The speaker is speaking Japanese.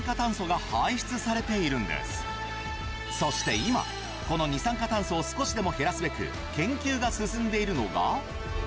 そして今この二酸化炭素を少しでも減らすべく研究が進んでいるのが。